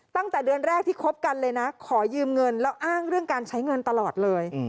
ตั้งแต่เดือนแรกที่คบกันเลยนะขอยืมเงินแล้วอ้างเรื่องการใช้เงินตลอดเลย